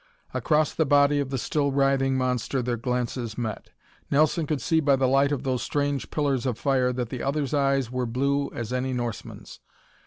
Across the body of the still writhing monster their glances met. Nelson could see by the light of those strange pillars of fire that the other's eyes were blue as any Norseman's.